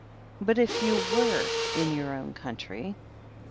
"But if you were in your own country?"